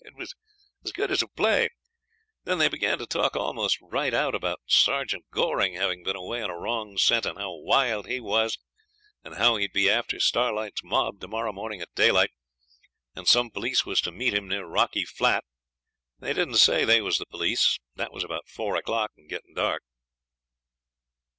It was as good as a play. Then they began to talk almost right out about Sergeant Goring having been away on a wrong scent, and how wild he was, and how he would be after Starlight's mob to morrow morning at daylight, and some p'leece was to meet him near Rocky Flat. They didn't say they was the p'leece; that was about four o'clock, and getting dark.'